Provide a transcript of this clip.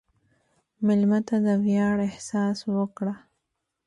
مېلمه ته د ویاړ احساس ورکړه.